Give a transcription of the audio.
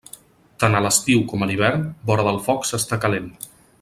Tant a l'estiu com a l'hivern, vora del foc s'està calent.